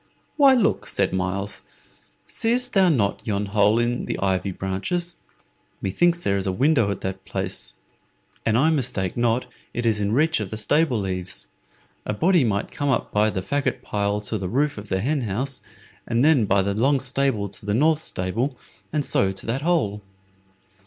"Why, look," said Myles; "seest thou not yon hole in the ivy branches? Methinks there is a window at that place. An I mistake not, it is in reach of the stable eaves. A body might come up by the fagot pile to the roof of the hen house, and then by the long stable to the north stable, and so to that hole."